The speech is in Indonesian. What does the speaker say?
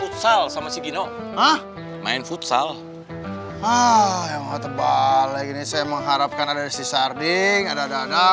kalau kegiatan saya lagi bisa belakang atau saya makan